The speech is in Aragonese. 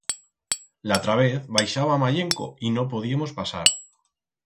L'atra vez baixaba mayenco y no podiemos pasar.